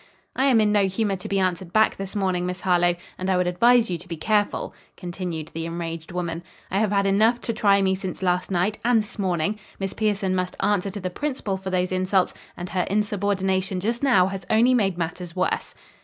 "I am in no humor to be answered back this morning, Miss Harlowe, and I would advise you to be careful," continued the enraged woman. "I have had enough to try me since last night and this morning. Miss Pierson must answer to the principal for those insults, and her insubordination just now has only made matters worse."